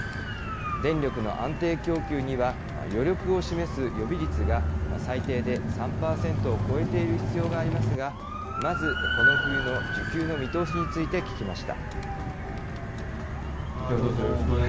電力の安定供給には余力を示す予備率が最低で３％を超えている必要がありますが、まずこの冬の需給の見通しについて聞きました。